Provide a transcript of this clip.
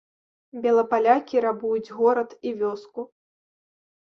Белапалякі рабуюць горад і вёску.